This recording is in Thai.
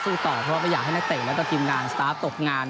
สู้ต่อเพราะไม่อยากให้หน้าเตะและก็ทีมงานสตาฟตกงาน